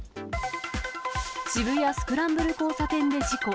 渋谷スクランブル交差点で事故。